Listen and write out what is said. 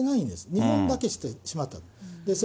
日本だけしてしまったと。